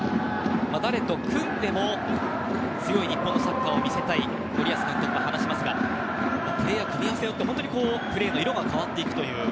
誰と組んでも強い日本のサッカーを見せたいと森保監督が話しますが組み合わせによって本当にプレーの色が変わっていくという。